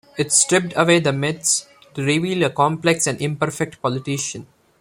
It stripped away the myths, to reveal a complex and imperfect politician.